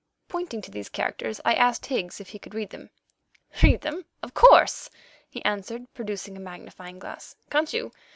Pointing to these characters, I asked Higgs if he could read them. "Read them? Of course," he answered, producing a magnifying glass. "Can't you?